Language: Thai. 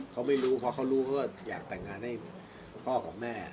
เขาไม่รู้เพราะเขารู้เขาก็อยากแต่งงานให้พ่อของแม่